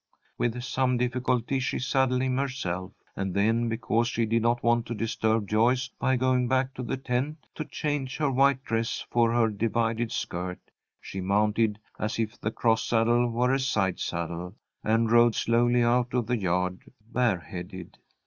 With some difficulty, she saddled him herself, and then because she did not want to disturb Joyce by going back to the tent to change her white dress for her divided skirt, she mounted as if the cross saddle were a side saddle, and rode slowly out of the yard bareheaded.